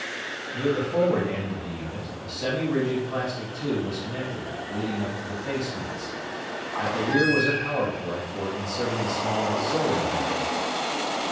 Near the forward end of the unit, a semirigid plastic tube was connected, leading up to the face mask. At the rear was a power port for inserting a small solar battery.